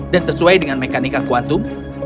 dan sesuai dengan mekanika kuantum